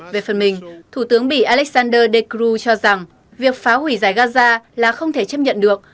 về phần mình thủ tướng bị alexander dekru cho rằng việc phá hủy giải gaza là không thể chấp nhận được